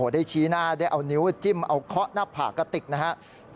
ชี้หน้าได้เอานิ้วจิ้มเอาเคาะหน้าผากกระติกนะครับ